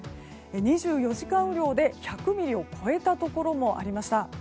２４時間雨量で１００ミリを超えたところもありました。